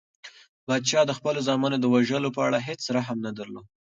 پادشاه د خپلو زامنو د وژلو په اړه هیڅ رحم نه درلود.